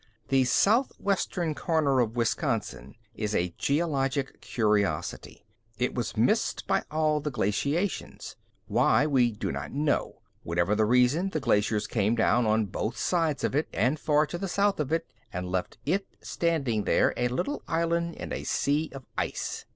The southwestern corner of Wisconsin is a geologic curiosity. It was missed by all the glaciations. Why, we do not know. Whatever the reason, the glaciers came down on both sides of it and far to the south of it and left it standing there, a little island in a sea of ice.